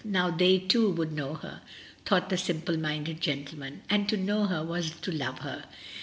Now they, too, would know her, thought the simple minded gentleman, and to know her was to love her.